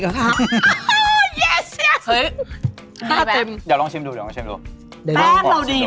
ก็โอเคเนาะแต่ผมว่าคือด้วยรสชาติเนี่ย